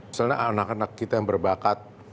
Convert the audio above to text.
misalnya anak anak kita yang berbakat